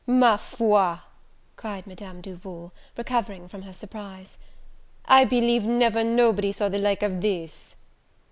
"Ma foi," cried Madame Duval, recovering from her surprise, "I believe never nobody saw the like of this!"